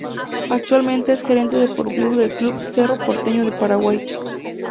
Actualmente es Gerente Deportivo del club Cerro Porteño de Paraguay.